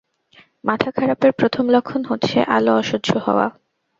মাথা খারাপের প্রথম লক্ষণ হচ্ছে, আলো অসহ্য হওয়া!